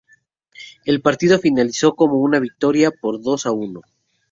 El partido finalizó con una victoria por dos a uno.